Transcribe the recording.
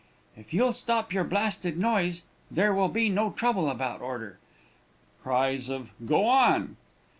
If you'll stop your blasted noise, there will be no trouble about order. (Cries of "Go on!")